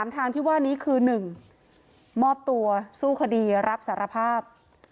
ทางที่ว่านี้คือ๑มอบตัวสู้คดีรับสารภาพ